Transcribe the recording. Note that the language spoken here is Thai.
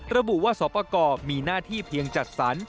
ระบุว่าสอบประกอบมีหน้าที่เพียงจัดสรร